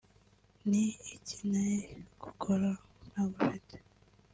ni iki nari gukora ntagufite